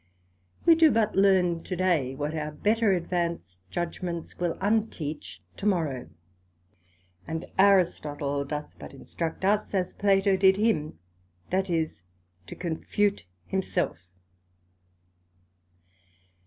We do but learn to day, what our better advanced judgements will unteach to morrow; and Aristotle doth but instruct us, as Plato did him; that is, to confute himself.